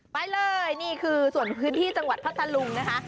ไปเลยนี่คือส่วนพื้นที่จังหวัดพัทธลุงนะคะ